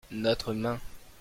notre main.